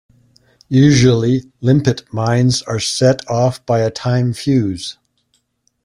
Usually limpet mines are set off by a time fuse.